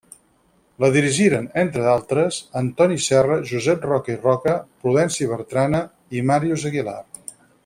La dirigiren, entre d'altres, Antoni Serra, Josep Roca i Roca, Prudenci Bertrana i Màrius Aguilar.